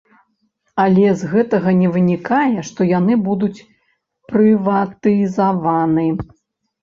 Але з гэтага не вынікае, што яны будуць прыватызаваны.